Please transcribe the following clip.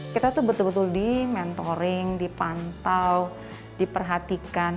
kita tuh betul betul di mentoring dipantau diperhatikan